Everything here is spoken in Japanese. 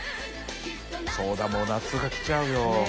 そうだもう夏が来ちゃうよ。